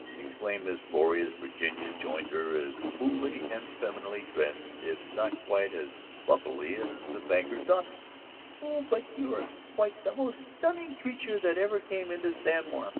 exclaimed Miss Florrie as Virginia joined her as coolly and femininely dressed, if not quite as fluffily, as the banker's daughter. "Oh, but you are quite the most stunning creature that ever came into San Juan!